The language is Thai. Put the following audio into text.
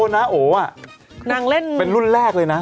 งั้อเล่นเป็นรุ่นแรกเลยนะ